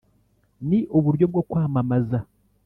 'ni uburyo bwo kwamamaza'.